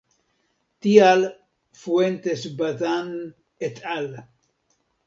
Tial Fuentes-Bazan et al.